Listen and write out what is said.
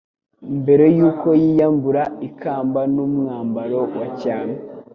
mbere y'uko yiyambura ikamba n'umwambaro wa cyami